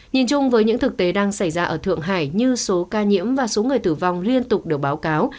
nhìn chung với những thực tế đang xảy ra ở thượng hải như số ca nhiễm và số người tử vong liên tục được báo cáo